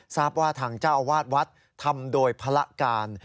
ทรัพท์ว่าท่างเจ้าอวาดวัดทำโดยพระการ